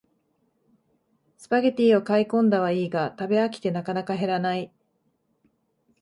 スパゲティを買いこんだはいいが食べ飽きてなかなか減らない